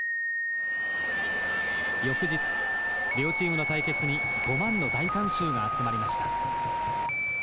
翌日両チームの対決に５万の大観衆が集まりました。